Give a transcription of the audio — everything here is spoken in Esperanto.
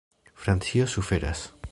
Francio suferas.